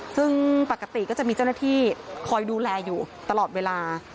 ซึ่งปกติก็จะมีเจ้าหน้าที่คอยดูแลอยู่ตลอดเวลา